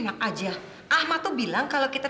nah sementara itu